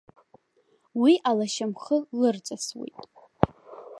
Уи алашьамхы лырҵысуеит.